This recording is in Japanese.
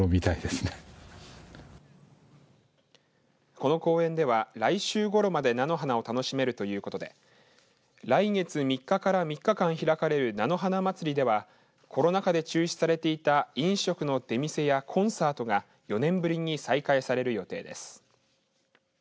この公園では来週ごろまで菜の花を楽しめるということで来月３日から３日間開かれる菜の花祭りではコロナ禍で中止されていた飲食の出店やコンサートが４年ぶりに再開される予定です。